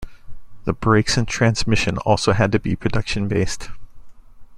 The brakes and transmission also had to be production-based.